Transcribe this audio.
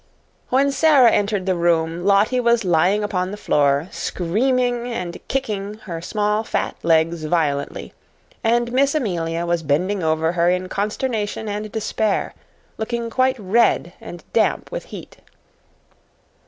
When Sara entered the room, Lottie was lying upon the floor, screaming and kicking her small fat legs violently, and Miss Amelia was bending over her in consternation and despair, looking quite red and damp with heat.